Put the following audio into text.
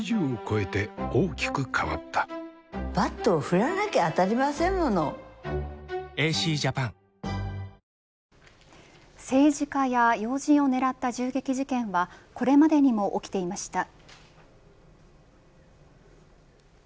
深く田崎さんは政治家や要人を狙った銃撃事件はこれまでにも起きていました。